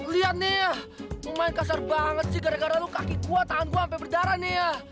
liat nih main kasar banget sih gara gara lo kaki gue tangan gue sampe berdarah nih ya